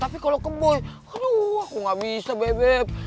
tapi kalo ke boy aduh aku gak bisa bebep